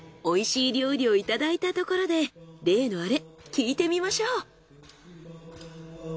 美味しい料理をいただいたところで例のアレ聞いてみましょう。